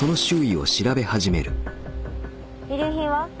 遺留品は？